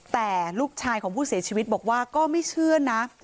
แต่ลูกชายของผู้เสียชีวิตบอกว่าก็ไม่เชื่อนะ